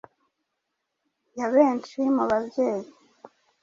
ya benshi mu babyeyi.